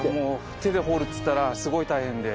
手で掘るっていったらすごい大変で。